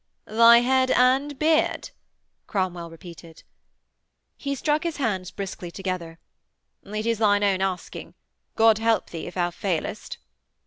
'Thy head and beard!' Cromwell repeated. He struck his hands briskly together. 'It is thine own asking. God help thee if thou failest!'